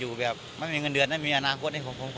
ว่ามันไม่มีเงินเดือนไม่มีอนาคต